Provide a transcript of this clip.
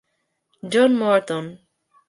John Morton